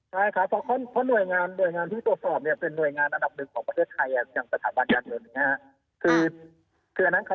ใช่ค่ะเพราะหน่วยงานที่ตรวจสอบเนี่ยเป็นหน่วยงานอันดับหนึ่งของประเทศไทยอย่างประธานบาลยานอย่างนี้ค่ะ